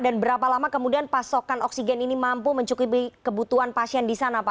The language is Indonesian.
dan berapa lama kemudian pasokan oksigen ini mampu mencukupi kebutuhan pasien di sana